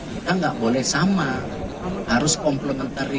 kita nggak boleh sama harus komplementari